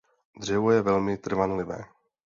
Dřevo je velmi trvanlivé.